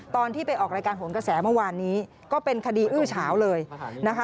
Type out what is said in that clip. ตอนที่ไปออกรายการโทรศน์เกษวมันวานนี้ก็เป็นคดีอื้อเฉาเลยนะคะ